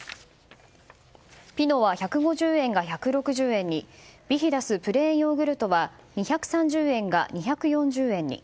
ピノは１５０円が１６０円にビヒダスプレーンヨーグルトは２３０円が２４０円に。